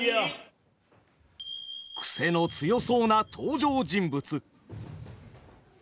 クセの強そうな登場人物。